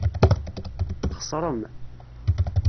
Txeṣrem.